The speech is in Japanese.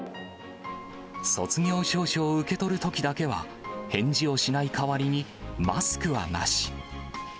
卒業証書を受け取るときだけは、返事をしない代わりにマスクはなし。